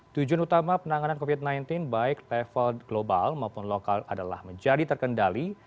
tujuan utama penanganan covid sembilan belas baik level global maupun lokal adalah menjadi terkendali